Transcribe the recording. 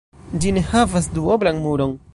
Ĝi ne havas duoblan muron.